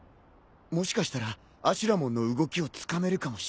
もしかしたらアシュラモンの動きをつかめるかもしれない。